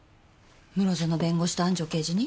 室園弁護士と安城刑事に？